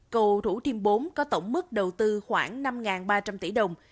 cầu thủ thiêm bốn có tổng mức đầu tư khoảng năm ba trăm linh tỷ đồng